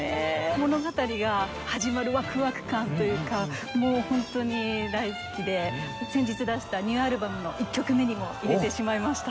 物語が始まるワクワク感というかもうホントに大好きで先日出したニューアルバムの１曲目にも入れてしまいました。